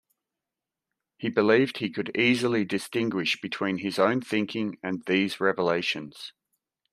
He believed he could easily distinguish between his own thinking and these revelations.